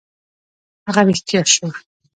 هغه رښتیا شوه.